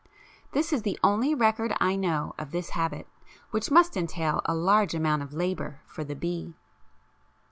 This is the only record I know of this habit, which must entail a large amount of labour for the bee.